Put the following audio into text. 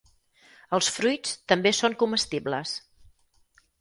Els fruits també són comestibles.